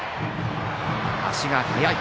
足が速い。